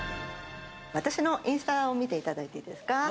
私のインスタを見ていただいていいですか。